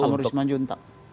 pak kamarudin semanjuntak